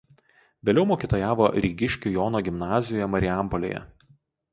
Vėliau mokytojavo Rygiškių Jono gimnazijoje Marijampolėje.